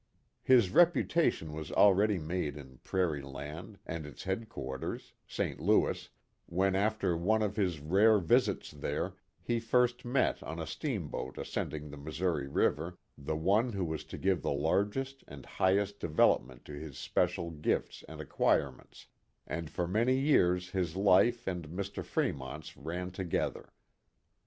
His reputation was already made in prairie land and its headquarters, Saint Louis, when, after one of his rare visits there, he first met on a steamboat ascending the Missouri River the one who was to give the largest and highest de velopment to his special gifts and acquirements, and for many years his life and Mr. Fremont's ran together.